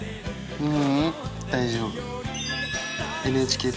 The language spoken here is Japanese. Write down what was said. うん。